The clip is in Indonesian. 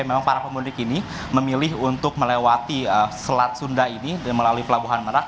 memang para pemudik ini memilih untuk melewati selat sunda ini melalui pelabuhan merak